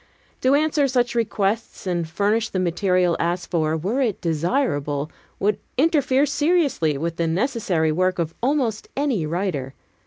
To answer such requests and furnish the material asked for, were it desirable, would interfere seriously with the necessary work of almost any writer.